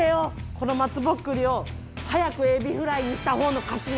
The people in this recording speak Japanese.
この松ぼっくりをはやくエビフライにしたほうの勝ちね